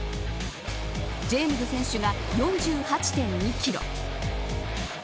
ジェームズ選手が４８．２キロ。